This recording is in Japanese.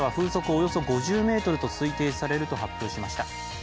およそ５０メートルと推定されると発表しました。